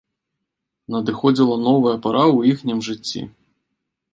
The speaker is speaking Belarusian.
Надыходзіла новая пара ў іхнім жыцці.